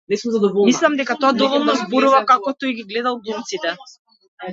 Мислам дека тоа доволно зборува како тој ги гледал глумците.